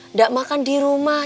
enggak makan di rumah